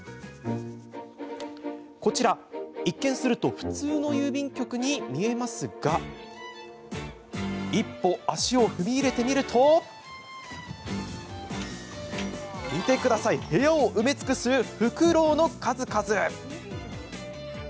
こちら、一見すると普通の郵便局にも見えますが一歩、足を踏み入れてみると部屋を埋め尽くすふくろうの数々。